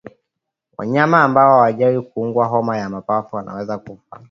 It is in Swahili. Wanyama ambao hawajawahi kuugua homa ya mapafu wanaweza kufa